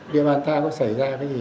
điểm an tha có xảy ra với gì